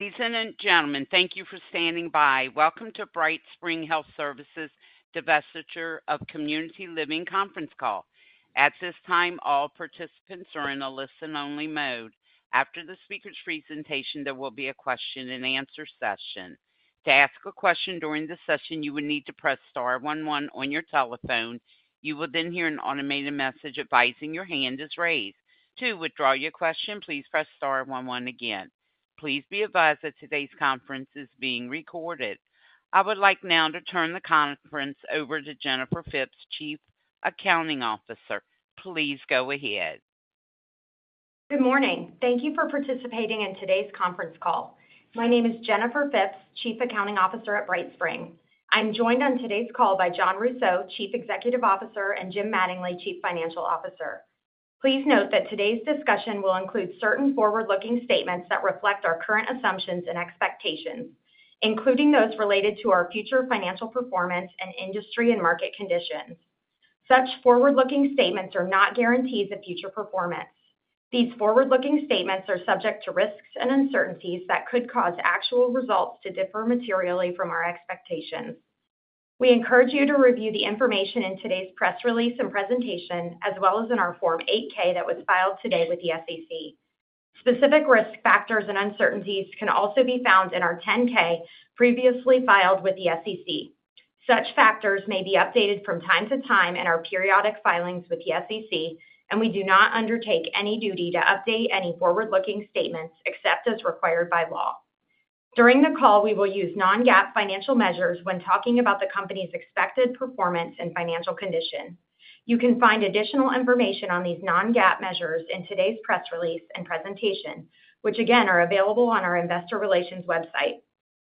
Ladies and gentlemen, thank you for standing by. Welcome to BrightSpring Health Services' Divestiture of Community Living Conference Call. At this time, all participants are in a listen-only mode. After the speaker's presentation, there will be a question-and-answer session. To ask a question during the session, you will need to press star one one on your telephone. You will then hear an automated message advising your hand is raised. To withdraw your question, please press star one one again. Please be advised that today's conference is being recorded. I would like now to turn the conference over to Jennifer Phipps, Chief Accounting Officer. Please go ahead. Good morning. Thank you for participating in today's conference call. My name is Jennifer Phipps, Chief Accounting Officer at BrightSpring. I'm joined on today's call by Jon Rousseau, Chief Executive Officer, and Jim Mattingly, Chief Financial Officer. Please note that today's discussion will include certain forward-looking statements that reflect our current assumptions and expectations, including those related to our future financial performance and industry and market conditions. Such forward-looking statements are not guarantees of future performance. These forward-looking statements are subject to risks and uncertainties that could cause actual results to differ materially from our expectations. We encourage you to review the information in today's press release and presentation, as well as in our Form 8-K that was filed today with the SEC. Specific risk factors and uncertainties can also be found in our 10-K previously filed with the SEC. Such factors may be updated from time to time in our periodic filings with the SEC, and we do not undertake any duty to update any forward-looking statements except as required by law. During the call, we will use non-GAAP financial measures when talking about the company's expected performance and financial condition. You can find additional information on these non-GAAP measures in today's press release and presentation, which, again, are available on our Investor Relations website.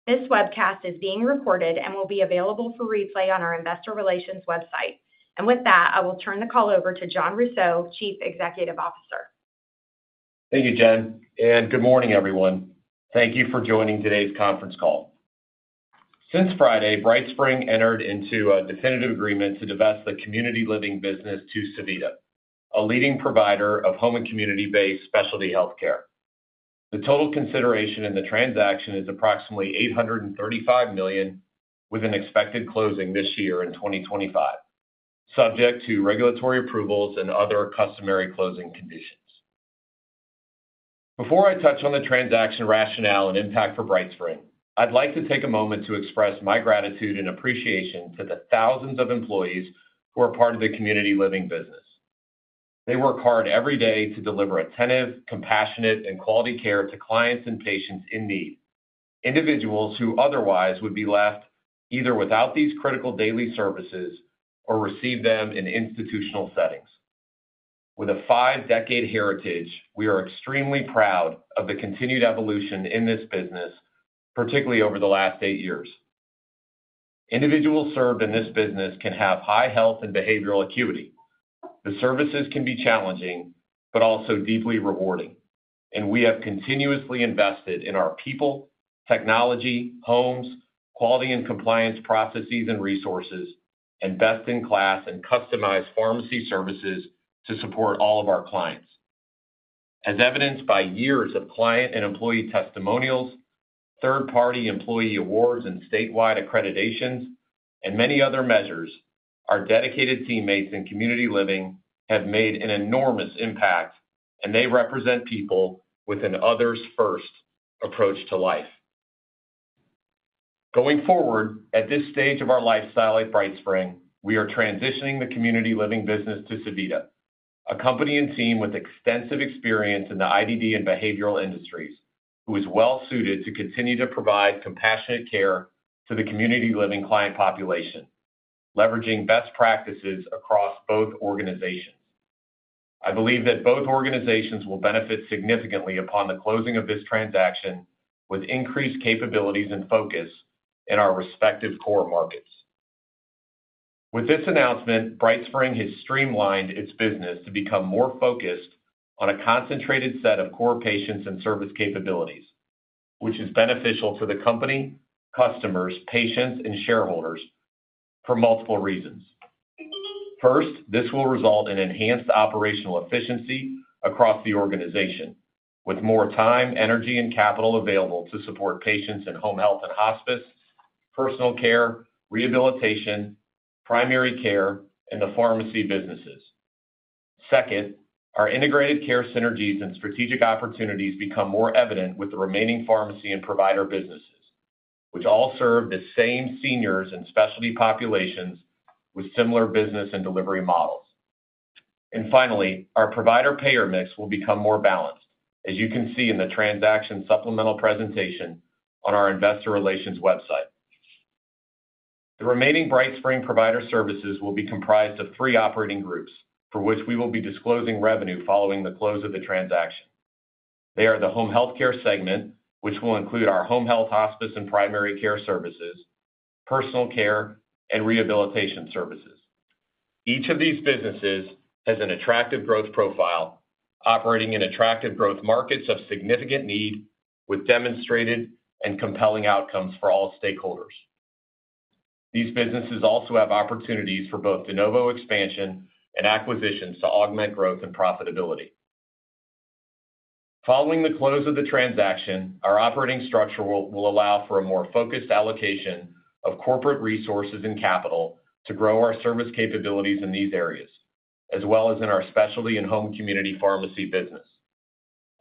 This webcast is being recorded and will be available for replay on our Investor Relations website. And with that, I will turn the call over to Jon Rousseau, Chief Executive Officer. Thank you, Jen. Good morning, everyone. Thank you for joining today's conference call. Since Friday, BrightSpring entered into a definitive agreement to divest the community living business to Sevita, a leading provider of home and community-based specialty healthcare. The total consideration in the transaction is approximately $835 million, with an expected closing this year in 2025, subject to regulatory approvals and other customary closing conditions. Before I touch on the transaction rationale and impact for BrightSpring, I'd like to take a moment to express my gratitude and appreciation to the thousands of employees who are part of the community living business. They work hard every day to deliver attentive, compassionate, and quality care to clients and patients in need, individuals who otherwise would be left either without these critical daily services or receive them in institutional settings. With a five-decade heritage, we are extremely proud of the continued evolution in this business, particularly over the last eight years. Individuals served in this business can have high health and behavioral acuity. The services can be challenging, but also deeply rewarding, and we have continuously invested in our people, technology, homes, quality and compliance processes and resources, and best-in-class and customized pharmacy services to support all of our clients. As evidenced by years of client and employee testimonials, third-party employee awards and statewide accreditations, and many other measures, our dedicated teammates in community living have made an enormous impact, and they represent people with an others-first approach to life. Going forward, at this stage of our life cycle at BrightSpring, we are transitioning the community living business to Sevita, a company and team with extensive experience in the IDD and behavioral industries, who is well-suited to continue to provide compassionate care to the community living client population, leveraging best practices across both organizations. I believe that both organizations will benefit significantly upon the closing of this transaction, with increased capabilities and focus in our respective core markets. With this announcement, BrightSpring has streamlined its business to become more focused on a concentrated set of core patients and service capabilities, which is beneficial to the company, customers, patients, and shareholders for multiple reasons. First, this will result in enhanced operational efficiency across the organization, with more time, energy, and capital available to support patients in home health and hospice, personal care, rehabilitation, primary care, and the pharmacy businesses. Second, our integrated care synergies and strategic opportunities become more evident with the remaining pharmacy and provider businesses, which all serve the same seniors and specialty populations with similar business and delivery models. And finally, our provider-payer mix will become more balanced, as you can see in the transaction supplemental presentation on our Investor Relations website. The remaining BrightSpring Provider Services will be comprised of three operating groups, for which we will be disclosing revenue following the close of the transaction. They are the home healthcare segment, which will include our home health, hospice, and primary care services, personal care, and rehabilitation services. Each of these businesses has an attractive growth profile, operating in attractive growth markets of significant need, with demonstrated and compelling outcomes for all stakeholders. These businesses also have opportunities for both de novo expansion and acquisitions to augment growth and profitability. Following the close of the transaction, our operating structure will allow for a more focused allocation of corporate resources and capital to grow our service capabilities in these areas, as well as in our specialty and home community pharmacy business.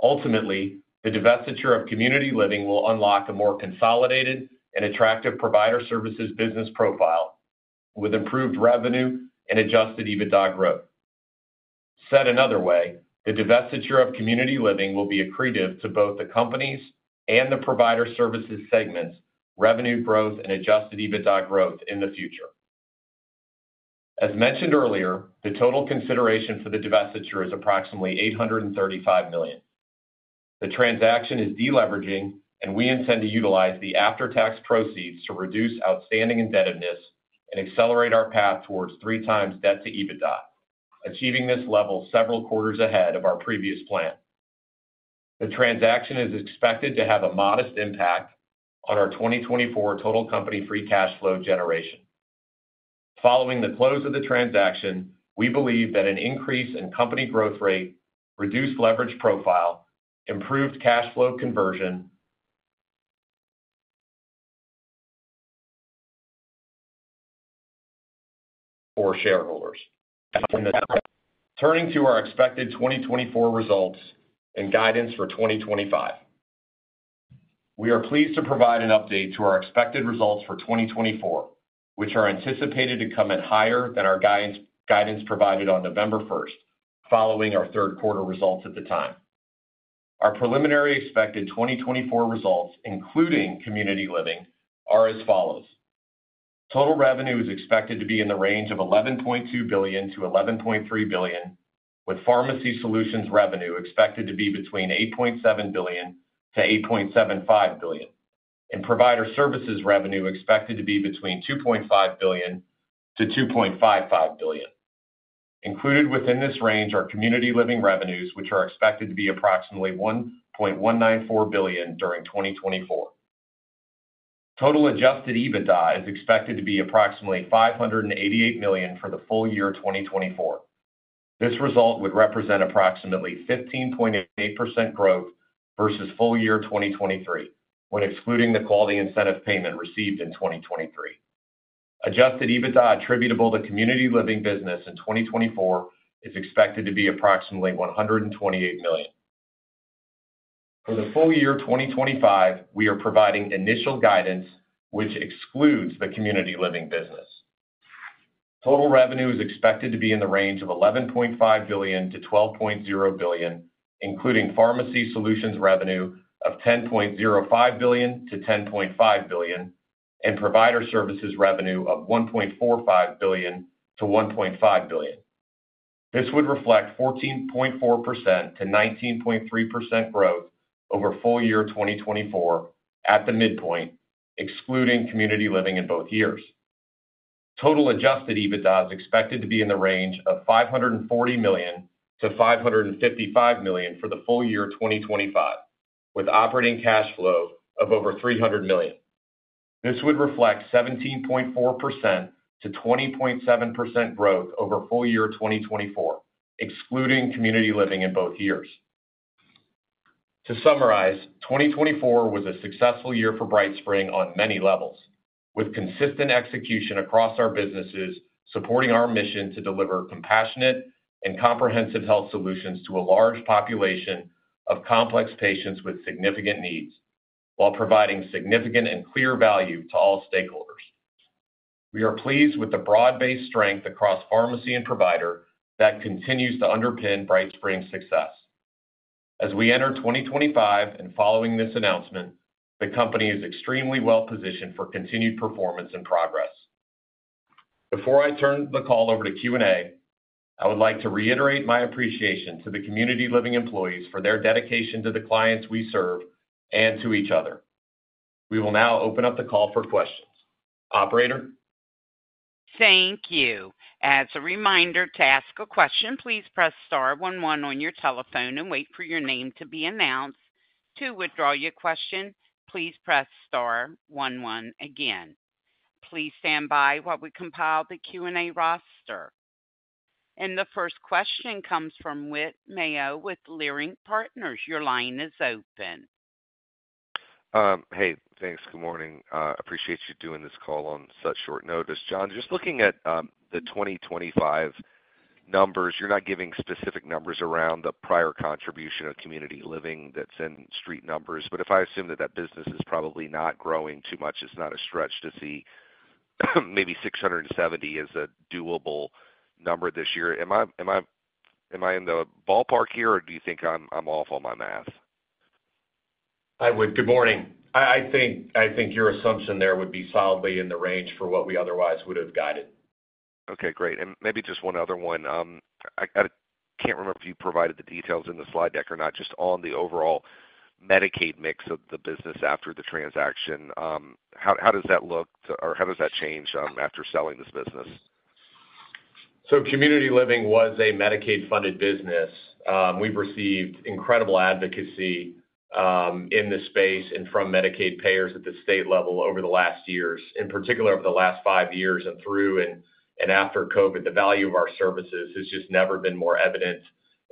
Ultimately, the divestiture of community living will unlock a more consolidated and attractive provider services business profile, with improved revenue and adjusted EBITDA growth. Said another way, the divestiture of community living will be accretive to both the companies and the provider services segment's revenue growth and adjusted EBITDA growth in the future. As mentioned earlier, the total consideration for the divestiture is approximately $835 million. The transaction is deleveraging, and we intend to utilize the after-tax proceeds to reduce outstanding indebtedness and accelerate our path towards three times debt to EBITDA, achieving this level several quarters ahead of our previous plan. The transaction is expected to have a modest impact on our 2024 total company free cash flow generation. Following the close of the transaction, we believe that an increase in company growth rate, reduced leverage profile, improved cash flow conversion for shareholders. Turning to our expected 2024 results and guidance for 2025, we are pleased to provide an update to our expected results for 2024, which are anticipated to come in higher than our guidance provided on November 1st, following our third-quarter results at the time. Our preliminary expected 2024 results, including Community Living, are as follows. Total revenue is expected to be in the range of $11.2 billion-$11.3 billion, with Pharmacy Solutions revenue expected to be between $8.7 billion-$8.75 billion, and Provider Services revenue expected to be between $2.5 billion-$2.55 billion. Included within this range are community living revenues, which are expected to be approximately $1.194 billion during 2024. Total adjusted EBITDA is expected to be approximately $588 million for the full year 2024. This result would represent approximately 15.8% growth versus full year 2023, when excluding the quality incentive payment received in 2023. Adjusted EBITDA attributable to community living business in 2024 is expected to be approximately $128 million. For the full year 2025, we are providing initial guidance, which excludes the community living business. Total revenue is expected to be in the range of $11.5 billion-$12.0 billion, including pharmacy solutions revenue of $10.05 billion-$10.5 billion, and provider services revenue of $1.45 billion-$1.5 billion. This would reflect 14.4%-19.3% growth over full year 2024 at the midpoint, excluding community living in both years. Total Adjusted EBITDA is expected to be in the range of $540 million-$555 million for the full year 2025, with operating cash flow of over $300 million. This would reflect 17.4%-20.7% growth over full year 2024, excluding Community Living in both years. To summarize, 2024 was a successful year for BrightSpring on many levels, with consistent execution across our businesses, supporting our mission to deliver compassionate and comprehensive health solutions to a large population of complex patients with significant needs, while providing significant and clear value to all stakeholders. We are pleased with the broad-based strength across pharmacy and provider that continues to underpin BrightSpring's success. As we enter 2025 and following this announcement, the company is extremely well-positioned for continued performance and progress. Before I turn the call over to Q&A, I would like to reiterate my appreciation to the community living employees for their dedication to the clients we serve and to each other. We will now open up the call for questions. Operator. Thank you. As a reminder, to ask a question, please press star one one on your telephone and wait for your name to be announced. To withdraw your question, please press star one one again. Please stand by while we compile the Q&A roster. And the first question comes from Whit Mayo with Leerink Partners. Your line is open. Hey, thanks. Good morning. Appreciate you doing this call on such short notice. Jon, just looking at the 2025 numbers, you're not giving specific numbers around the prior contribution of community living that's in street numbers. But if I assume that that business is probably not growing too much, it's not a stretch to see maybe $670 is a doable number this year. Am I in the ballpark here, or do you think I'm off on my math? Good morning. I think your assumption there would be solidly in the range for what we otherwise would have guided. Okay. Great. And maybe just one other one. I can't remember if you provided the details in the slide deck or not, just on the overall Medicaid mix of the business after the transaction. How does that look, or how does that change after selling this business? So community living was a Medicaid-funded business. We've received incredible advocacy in the space and from Medicaid payers at the state level over the last years, in particular over the last five years and through and after COVID. The value of our services has just never been more evident.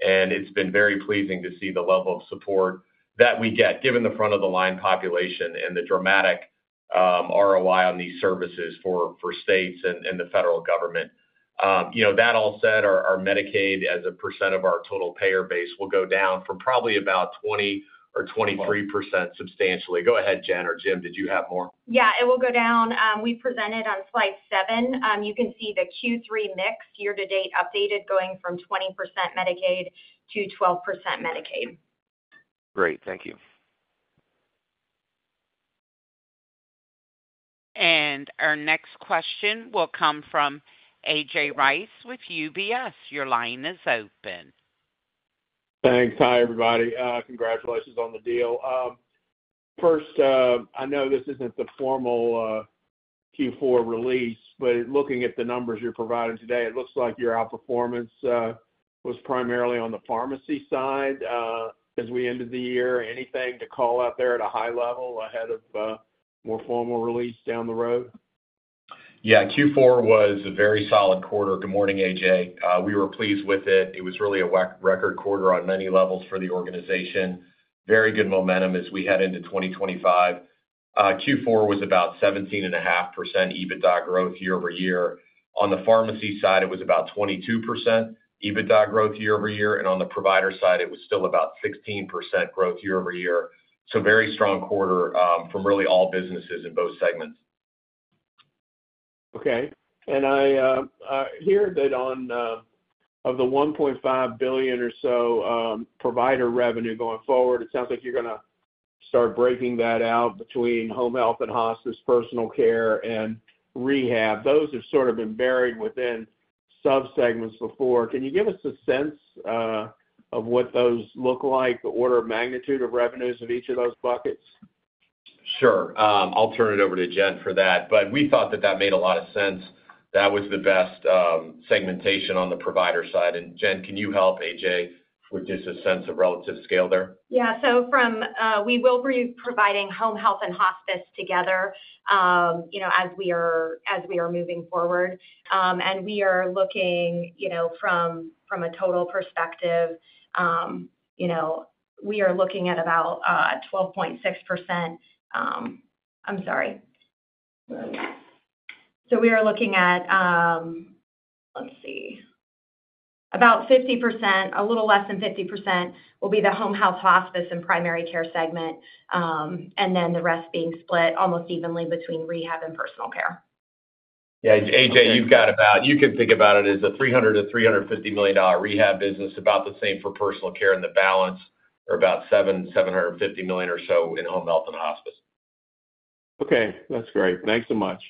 And it's been very pleasing to see the level of support that we get, given the front-of-the-line population and the dramatic ROI on these services for states and the federal government. That all said, our Medicaid as a percent of our total payer base will go down from probably about 20% or 23% substantially. Go ahead, Jen. Or Jim, did you have more? Yeah, it will go down. We presented on slide seven. You can see the Q3 mix year-to-date updated, going from 20% Medicaid to 12% Medicaid. Great. Thank you. And our next question will come from A.J. Rice with UBS. Your line is open. Thanks. Hi, everybody. Congratulations on the deal. First, I know this isn't the formal Q4 release, but looking at the numbers you're providing today, it looks like your outperformance was primarily on the pharmacy side as we ended the year. Anything to call out there at a high level ahead of more formal release down the road? Yeah. Q4 was a very solid quarter. Good morning, A.J. We were pleased with it. It was really a record quarter on many levels for the organization. Very good momentum as we head into 2025. Q4 was about 17.5% EBITDA growth year-over-year. On the pharmacy side, it was about 22% EBITDA growth year-over-year. And on the provider side, it was still about 16% growth year-over-year. So very strong quarter from really all businesses in both segments. Okay. And I hear that one of the $1.5 billion or so provider revenue going forward, it sounds like you're going to start breaking that out between home health and hospice, personal care, and rehab. Those have sort of been buried within subsegments before. Can you give us a sense of what those look like, the order of magnitude of revenues of each of those buckets? Sure. I'll turn it over to Jen for that. But we thought that that made a lot of sense. That was the best segmentation on the provider side. And Jen, can you help A.J. with just a sense of relative scale there? Yeah. So we will be providing home health and hospice together as we are moving forward, and we are looking from a total perspective, we are looking at about 12.6%. I'm sorry, so we are looking at, let's see, about 50%, a little less than 50% will be the home health, hospice, and primary care segment, and then the rest being split almost evenly between rehab and personal care. Yeah. A.J., you can think about it as a $300 million-$350 million rehab business, about the same for personal care. And the balance are about $750 million or so in home health and hospice. Okay. That's great. Thanks so much.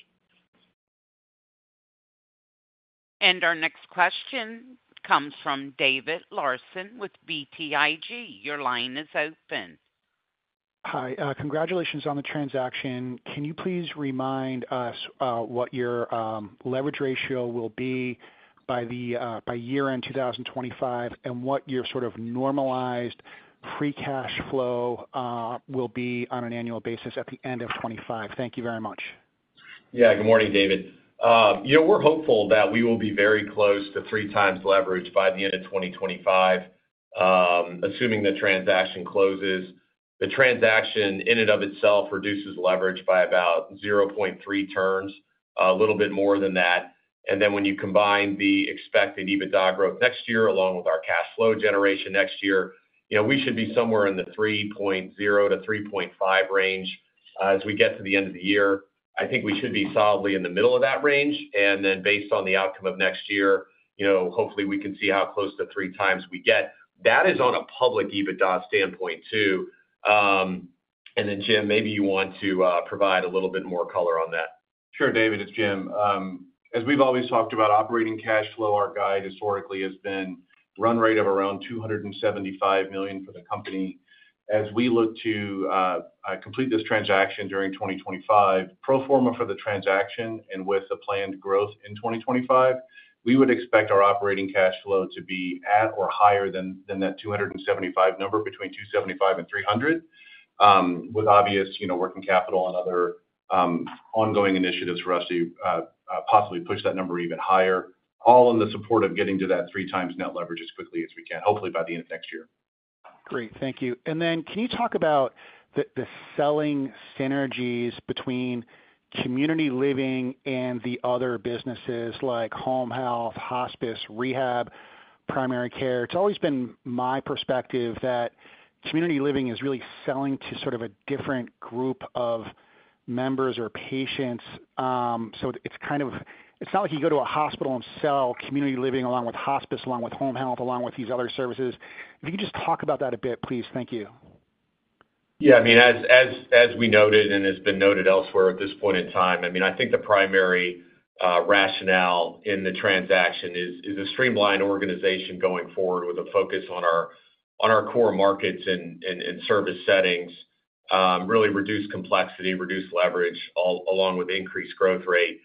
Our next question comes from David Larsen with BTIG. Your line is open. Hi. Congratulations on the transaction. Can you please remind us what your leverage ratio will be by year-end 2025 and what your sort of normalized free cash flow will be on an annual basis at the end of 2025? Thank you very much. Yeah. Good morning, David. We're hopeful that we will be very close to three times leverage by the end of 2025, assuming the transaction closes. The transaction in and of itself reduces leverage by about 0.3 turns, a little bit more than that. And then when you combine the expected EBITDA growth next year along with our cash flow generation next year, we should be somewhere in the 3.0-3.5 range as we get to the end of the year. I think we should be solidly in the middle of that range. And then based on the outcome of next year, hopefully we can see how close to three times we get. That is on a public EBITDA standpoint too. And then, Jim, maybe you want to provide a little bit more color on that. Sure, David. It's Jim. As we've always talked about, operating cash flow, our guide historically has been run rate of around $275 million for the company. As we look to complete this transaction during 2025, pro forma for the transaction and with the planned growth in 2025, we would expect our operating cash flow to be at or higher than that $275 number, between $275 and $300, with obvious working capital and other ongoing initiatives for us to possibly push that number even higher, all in the support of getting to that three times net leverage as quickly as we can, hopefully by the end of next year. Great. Thank you. And then can you talk about the selling synergies between community living and the other businesses like home health, hospice, rehab, primary care? It's always been my perspective that community living is really selling to sort of a different group of members or patients. So it's kind of not like you go to a hospital and sell community living along with hospice, along with home health, along with these other services. If you could just talk about that a bit, please. Thank you. Yeah. I mean, as we noted and has been noted elsewhere at this point in time, I mean, I think the primary rationale in the transaction is a streamlined organization going forward with a focus on our core markets and service settings, really reduce complexity, reduce leverage, along with increased growth rate.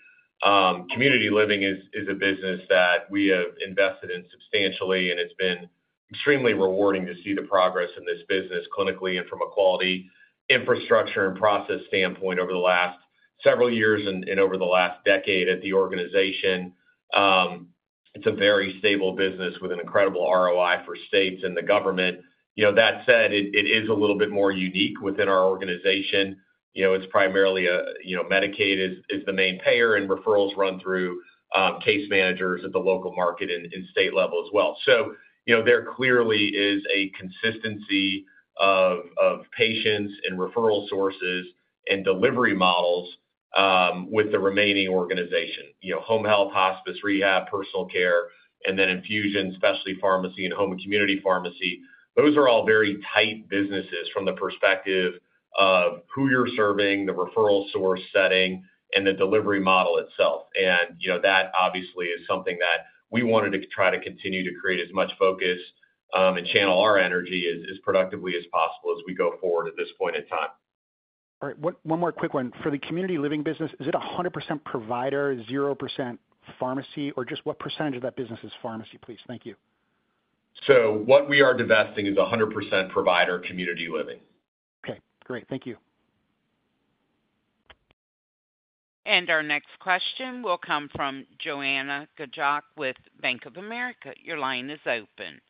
Community Living is a business that we have invested in substantially, and it's been extremely rewarding to see the progress in this business clinically and from a quality infrastructure and process standpoint over the last several years and over the last decade at the organization. It's a very stable business with an incredible ROI for states and the government. That said, it is a little bit more unique within our organization. It's primarily Medicaid is the main payer, and referrals run through case managers at the local market and state level as well. There clearly is a consistency of patients and referral sources and delivery models with the remaining organization: home health, hospice, rehab, personal care, and then infusion, specialty pharmacy, and home and community pharmacy. Those are all very tight businesses from the perspective of who you're serving, the referral source setting, and the delivery model itself. And that obviously is something that we wanted to try to continue to create as much focus and channel our energy as productively as possible as we go forward at this point in time. All right. One more quick one. For the community living business, is it 100% provider, 0% pharmacy, or just what percentage of that business is pharmacy, please? Thank you. What we are divesting is 100% provider Community Living. Okay. Great. Thank you. Our next question will come from Joanna Gajuk with Bank of America. Your line is open.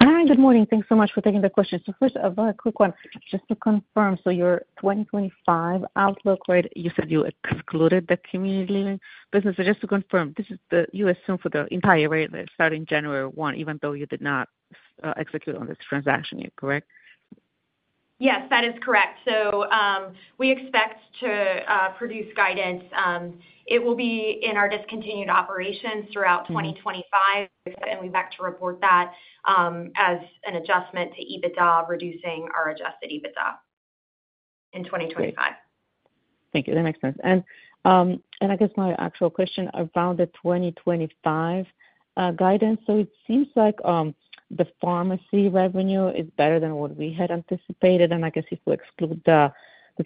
Hi. Good morning. Thanks so much for taking the question. So first, a very quick one. Just to confirm, so your 2025 outlook, right? You said you excluded the Community Living business. So just to confirm, this is what you assume for the entire year that starts January 1, even though you did not execute on this transaction, correct? Yes, that is correct, so we expect to produce guidance. It will be in our discontinued operations throughout 2025, and we'd like to report that as an adjustment to EBITDA, reducing our Adjusted EBITDA in 2025. Thank you. That makes sense, and I guess my actual question, around the 2025 guidance, so it seems like the pharmacy revenue is better than what we had anticipated. And I guess if we exclude the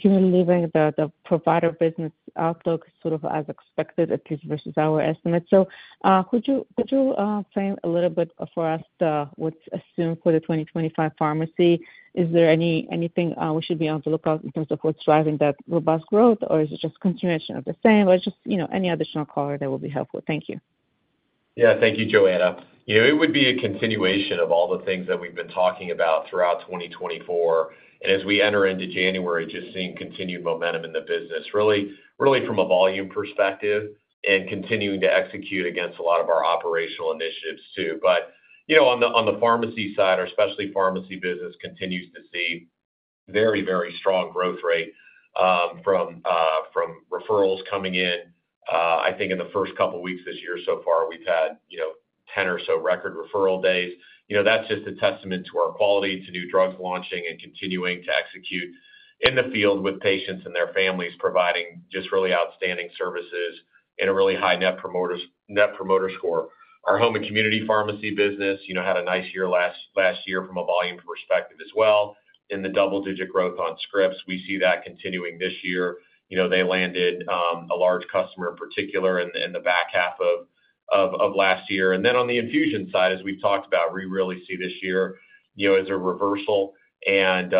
community living, the provider business outlook is sort of as expected, at least versus our estimate. So could you frame a little bit for us what's assumed for the 2025 pharmacy? Is there anything we should be on the lookout in terms of what's driving that robust growth, or is it just continuation of the same, or just any additional color that would be helpful? Thank you. Yeah. Thank you, Joanna. It would be a continuation of all the things that we've been talking about throughout 2024 and as we enter into January, just seeing continued momentum in the business, really from a volume perspective and continuing to execute against a lot of our operational initiatives too, but on the pharmacy side, our specialty pharmacy business continues to see very, very strong growth rate from referrals coming in. I think in the first couple of weeks this year so far, we've had 10 or so record referral days. That's just a testament to our quality to new drugs launching and continuing to execute in the field with patients and their families providing just really outstanding services and a really high Net Promoter Score. Our home and community pharmacy business had a nice year last year from a volume perspective as well, in the double-digit growth on scripts. We see that continuing this year. They landed a large customer in particular in the back half of last year. And then on the infusion side, as we've talked about, we really see this year as a reversal and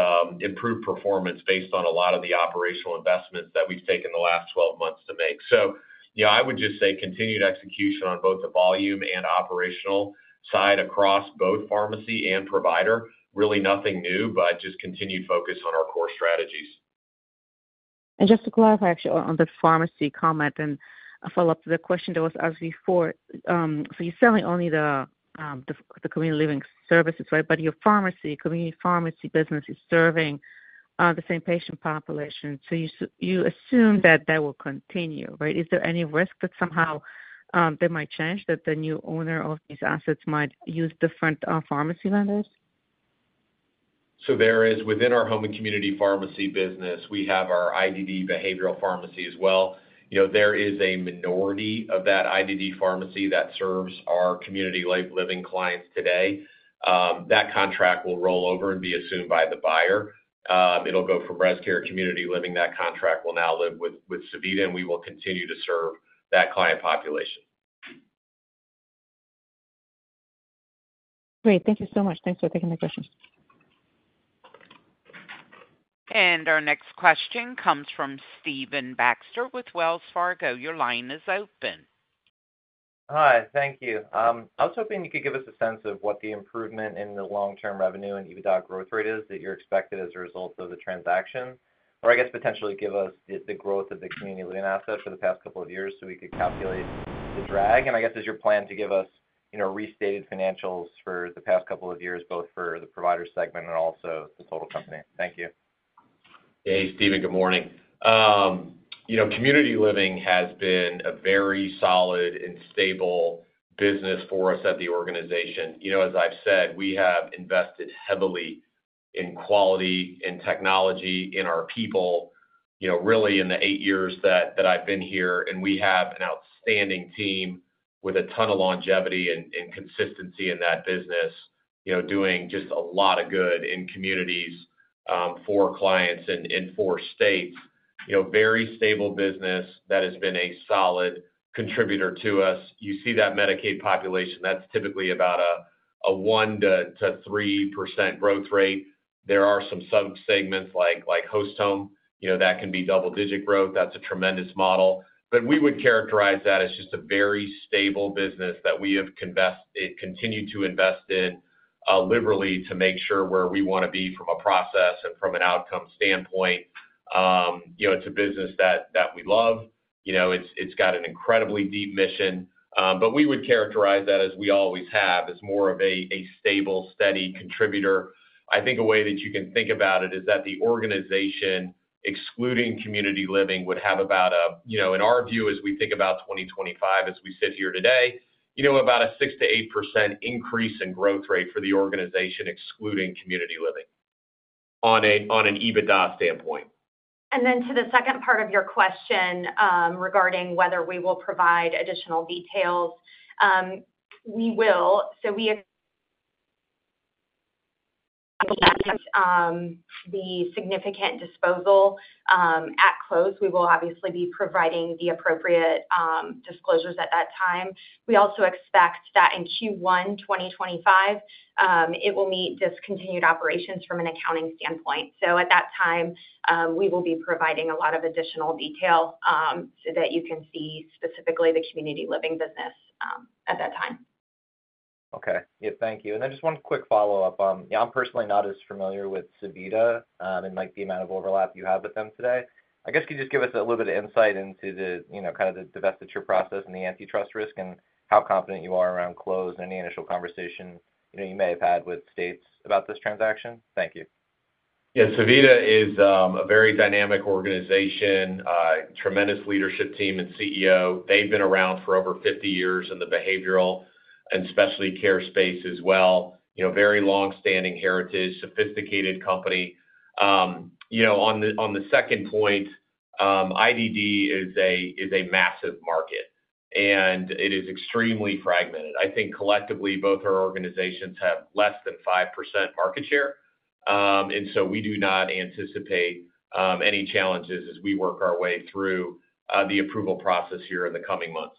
improved performance based on a lot of the operational investments that we've taken the last 12 months to make. So I would just say continued execution on both the volume and operational side across both pharmacy and provider. Really nothing new, but just continued focus on our core strategies. And just to clarify, actually, on the pharmacy comment and follow-up to the question that was asked before, so you're selling only the community living services, right? But your pharmacy, community pharmacy business is serving the same patient population. So you assume that that will continue, right? Is there any risk that somehow they might change, that the new owner of these assets might use different pharmacy vendors? There is, within our home and community pharmacy business, we have our IDD behavioral pharmacy as well. There is a minority of that IDD pharmacy that serves our Community Living clients today. That contract will roll over and be assumed by the buyer. It will go from ResCare to Community Living. That contract will now live with Sevita, and we will continue to serve that client population. Great. Thank you so much. Thanks for taking the question. And our next question comes from Stephen Baxter with Wells Fargo. Your line is open. Hi. Thank you. I was hoping you could give us a sense of what the improvement in the long-term revenue and EBITDA growth rate is that you're expecting as a result of the transaction, or I guess potentially give us the growth of the community living asset for the past couple of years so we could calculate the drag? And I guess is your plan to give us restated financials for the past couple of years, both for the provider segment and also the total company? Thank you. Hey, Stephen. Good morning. Community Living has been a very solid and stable business for us at the organization. As I've said, we have invested heavily in quality and technology in our people, really in the eight years that I've been here. We have an outstanding team with a ton of longevity and consistency in that business, doing just a lot of good in communities for clients and for states. Very stable business that has been a solid contributor to us. You see that Medicaid population, that's typically about a 1%-3% growth rate. There are some subsegments like host home that can be double-digit growth. That's a tremendous model. We would characterize that as just a very stable business that we have continued to invest in liberally to make sure where we want to be from a process and from an outcome standpoint. It's a business that we love. It's got an incredibly deep mission. But we would characterize that, as we always have, as more of a stable, steady contributor. I think a way that you can think about it is that the organization, excluding Community Living, would have about a, in our view, as we think about 2025, as we sit here today, about a 6%-8% increase in growth rate for the organization, excluding Community Living, on an EBITDA standpoint. And then to the second part of your question regarding whether we will provide additional details, we will. So we expect the significant disposal at close. We will obviously be providing the appropriate disclosures at that time. We also expect that in Q1 2025, it will meet discontinued operations from an accounting standpoint. So at that time, we will be providing a lot of additional detail so that you can see specifically the community living business at that time. Okay. Yeah. Thank you. And then just one quick follow-up. Yeah, I'm personally not as familiar with Sevita and the amount of overlap you have with them today. I guess could you just give us a little bit of insight into kind of the divestiture process and the antitrust risk and how confident you are around close and any initial conversation you may have had with states about this transaction? Thank you. Yeah. Sevita is a very dynamic organization, tremendous leadership team and CEO. They've been around for over 50 years in the behavioral and specialty care space as well. Very long-standing heritage, sophisticated company. On the second point, IDD is a massive market, and it is extremely fragmented. I think collectively, both our organizations have less than 5% market share. And so we do not anticipate any challenges as we work our way through the approval process here in the coming months.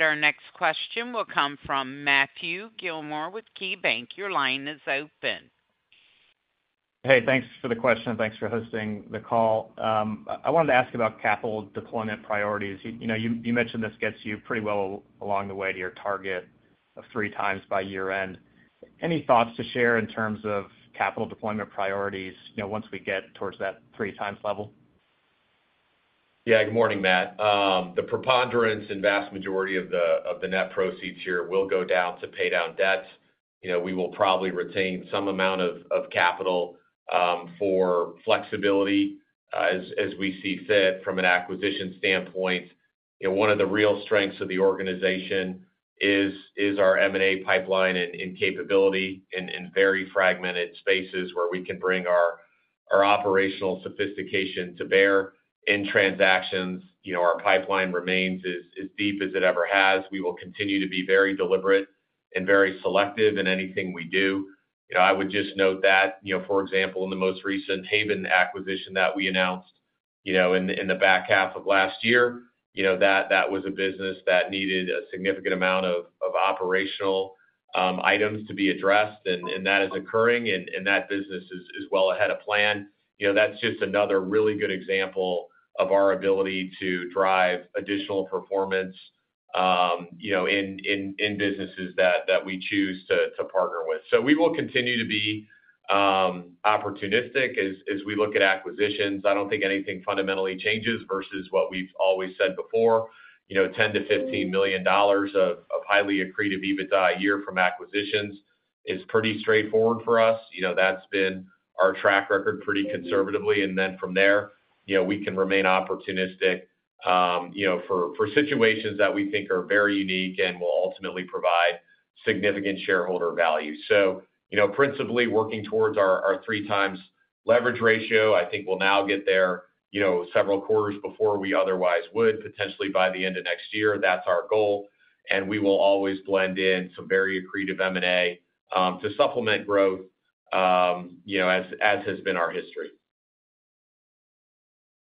Our next question will come from Matthew Gilmore with KeyBanc. Your line is open. Hey, thanks for the question. Thanks for hosting the call. I wanted to ask about capital deployment priorities. You mentioned this gets you pretty well along the way to your target of three times by year-end. Any thoughts to share in terms of capital deployment priorities once we get towards that three times level? Yeah. Good morning, Matt. The preponderance and vast majority of the net proceeds here will go down to pay down debts. We will probably retain some amount of capital for flexibility as we see fit from an acquisition standpoint. One of the real strengths of the organization is our M&A pipeline and capability in very fragmented spaces where we can bring our operational sophistication to bear in transactions. Our pipeline remains as deep as it ever has. We will continue to be very deliberate and very selective in anything we do. I would just note that, for example, in the most recent Haven acquisition that we announced in the back half of last year, that was a business that needed a significant amount of operational items to be addressed, and that is occurring, and that business is well ahead of plan. That's just another really good example of our ability to drive additional performance in businesses that we choose to partner with. So we will continue to be opportunistic as we look at acquisitions. I don't think anything fundamentally changes versus what we've always said before. $10 million-$15 million of highly accretive EBITDA a year from acquisitions is pretty straightforward for us. That's been our track record pretty conservatively. And then from there, we can remain opportunistic for situations that we think are very unique and will ultimately provide significant shareholder value. So principally working towards our three times leverage ratio, I think we'll now get there several quarters before we otherwise would, potentially by the end of next year. That's our goal. And we will always blend in some very accretive M&A to supplement growth, as has been our history.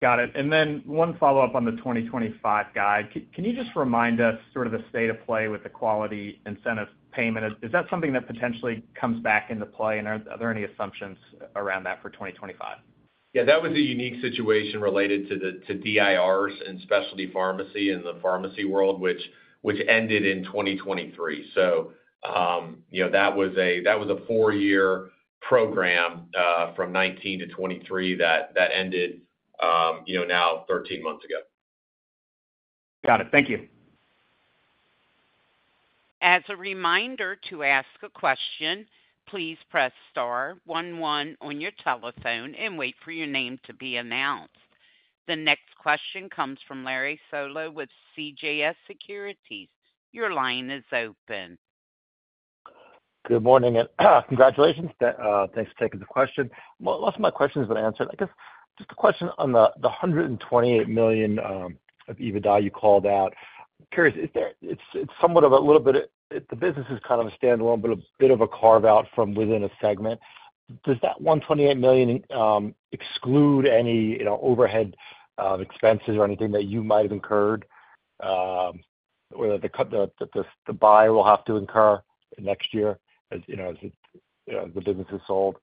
Got it. And then one follow-up on the 2025 guide. Can you just remind us sort of the state of play with the quality incentive payment? Is that something that potentially comes back into play, and are there any assumptions around that for 2025? Yeah. That was a unique situation related to DIRs and specialty pharmacy in the pharmacy world, which ended in 2023. So that was a four-year program from 2019 to 2023 that ended now 13 months ago. Got it. Thank you. As a reminder to ask a question, please press star, 1-1 on your telephone, and wait for your name to be announced. The next question comes from Larry Solow with CJS Securities. Your line is open. Good morning and congratulations. Thanks for taking the question. Lots of my questions have been answered. I guess just a question on the $128 million of EBITDA you called out. I'm curious, it's somewhat of a little bit the business is kind of a standalone, but a bit of a carve-out from within a segment. Does that $128 million exclude any overhead expenses or anything that you might have incurred or that the buyer will have to incur next year as the business is sold?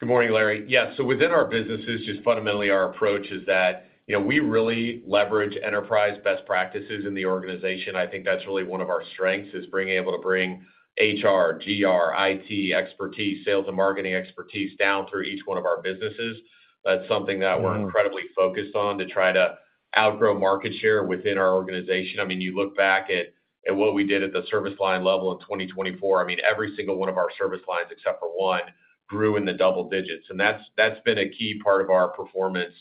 Good morning, Larry. Yeah. So within our businesses, just fundamentally, our approach is that we really leverage enterprise best practices in the organization. I think that's really one of our strengths, is being able to bring HR, GR, IT expertise, sales and marketing expertise down through each one of our businesses. That's something that we're incredibly focused on to try to outgrow market share within our organization. I mean, you look back at what we did at the service line level in 2024. I mean, every single one of our service lines, except for one, grew in the double digits. And that's been a key part of our performance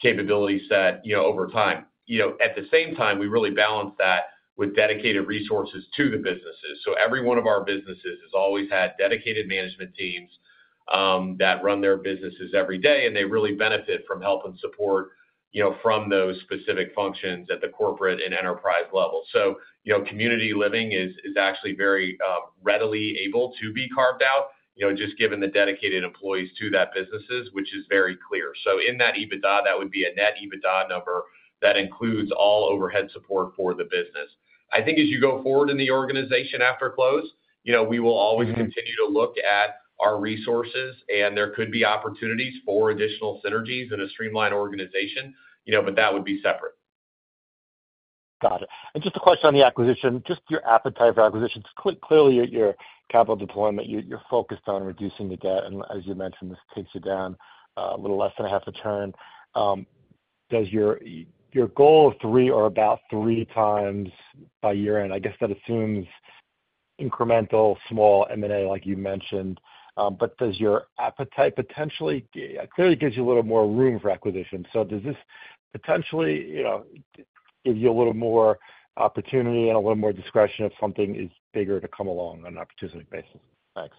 capability set over time. At the same time, we really balance that with dedicated resources to the businesses. Every one of our businesses has always had dedicated management teams that run their businesses every day, and they really benefit from help and support from those specific functions at the corporate and enterprise level. Community Living is actually very readily able to be carved out, just given the dedicated employees to that business, which is very clear. In that EBITDA, that would be a net EBITDA number that includes all overhead support for the business. I think as you go forward in the organization after close, we will always continue to look at our resources, and there could be opportunities for additional synergies in a streamlined organization, but that would be separate. Got it. And just a question on the acquisition, just your appetite for acquisitions. Clearly, at your capital deployment, you're focused on reducing the debt. And as you mentioned, this takes you down a little less than a half a turn. Does your goal of three or about three times by year-end, I guess that assumes incremental small M&A, like you mentioned? But does your appetite potentially clearly gives you a little more room for acquisition? So does this potentially give you a little more opportunity and a little more discretion if something is bigger to come along on an opportunistic basis? Thanks.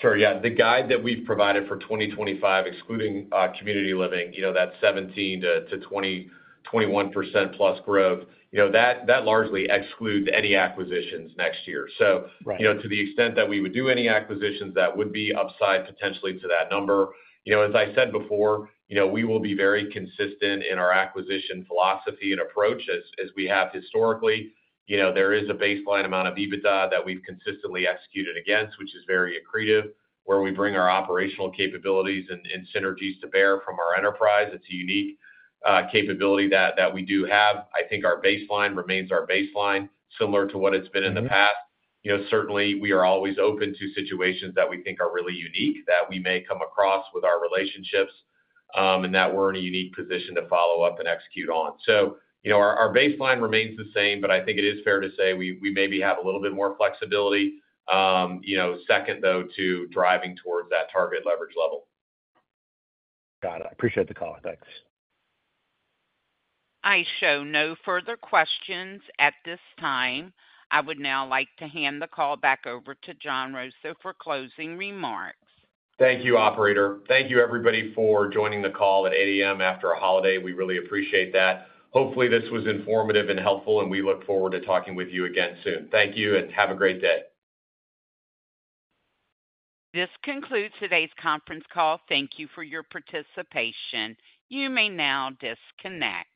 Sure. Yeah. The guide that we've provided for 2025, excluding community living, that 17%-21% plus growth, that largely excludes any acquisitions next year. So to the extent that we would do any acquisitions, that would be upside potentially to that number. As I said before, we will be very consistent in our acquisition philosophy and approach as we have historically. There is a baseline amount of EBITDA that we've consistently executed against, which is very accretive, where we bring our operational capabilities and synergies to bear from our enterprise. It's a unique capability that we do have. I think our baseline remains our baseline, similar to what it's been in the past. Certainly, we are always open to situations that we think are really unique, that we may come across with our relationships, and that we're in a unique position to follow up and execute on. So our baseline remains the same, but I think it is fair to say we maybe have a little bit more flexibility, second, though, to driving towards that target leverage level. Got it. I appreciate the call. Thanks. I show no further questions at this time. I would now like to hand the call back over to Jon Rousseau for closing remarks. Thank you, operator. Thank you, everybody, for joining the call at 8:00 A.M. after a holiday. We really appreciate that. Hopefully, this was informative and helpful, and we look forward to talking with you again soon. Thank you, and have a great day. This concludes today's conference call. Thank you for your participation. You may now disconnect.